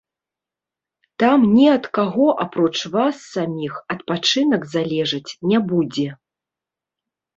Там ні ад каго апроч вас саміх адпачынак залежаць не будзе.